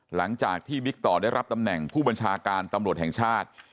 หลังจากที่บิ๊กต่อได้รับตำแหน่งผู้บัญชาการตำรวจแห่งชาติ